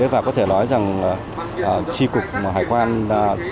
và có thể nói rằng tri cục hải quan cái lân của hải quan quảng ninh